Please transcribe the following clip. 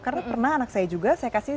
karena pernah anak saya juga